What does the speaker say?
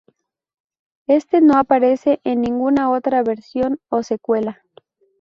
Este no aparece en ninguna otra versión o secuela.